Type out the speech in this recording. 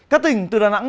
các tỉnh từ đà nẵng